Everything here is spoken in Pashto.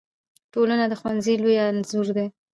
ټولنه د ښوونځي لوی انځور دی.